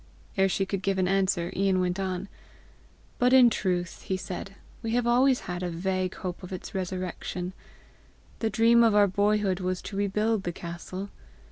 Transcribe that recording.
Ere she could give an answer, Ian went on. "But in truth," he said, "we have always had a vague hope of its resurrection. The dream of our boyhood was to rebuild the castle.